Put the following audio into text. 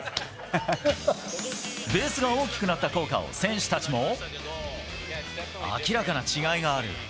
ベースが大きくなった効果を明らかな違いがある。